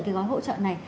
cái gói hỗ trợ này